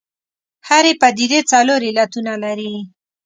هرې پدیدې څلور علتونه لري.